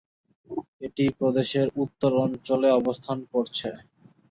এটি প্রদেশের উত্তর অঞ্চলে অবস্থান করছে।